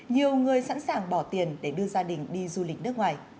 nhiều người sẵn sàng bỏ tiền để đưa gia đình đi du lịch nước ngoài